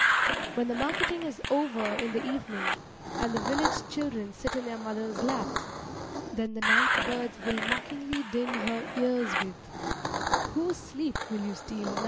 When the marketing is over in the evening, and the village children sit in their mothers' laps, then the night birds will mockingly din her ears with: "Whose sleep will you steal now?"